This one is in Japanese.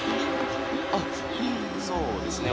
あっそうですね。